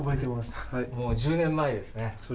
もう１０年前ですね。